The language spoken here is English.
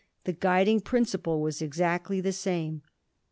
the guiding principle was exactly the same.